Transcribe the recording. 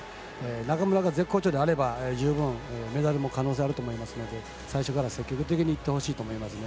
中村が絶好調であれば十分、メダルの可能性もありますので最初から積極的にいってほしいと思います。